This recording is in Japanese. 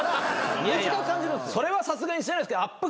いやいやそれはさすがにしてないですけどアップ